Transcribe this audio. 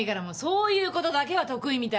そういうことだけは得意みたいだから。